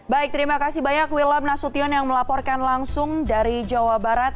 baik terima kasih banyak wilam nasution yang melaporkan langsung dari jawa barat